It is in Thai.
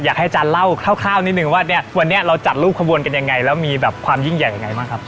อยากให้อาจารย์เล่าคร่าวนิดนึงว่าเนี่ยวันนี้เราจัดรูปขบวนกันยังไงแล้วมีแบบความยิ่งใหญ่ยังไงบ้างครับ